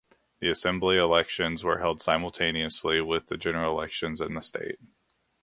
The assembly elections were held simultaneously with the general elections in the state.